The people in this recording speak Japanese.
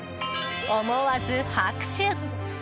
思わず拍手！